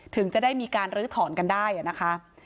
ถึงจะได้มีการลื้อถอนกันได้นะคะ